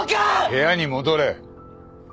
部屋に戻れ。